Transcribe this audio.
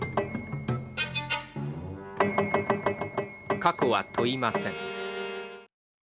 過去は問いません